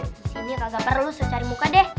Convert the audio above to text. disini gak perlu saya cari muka deh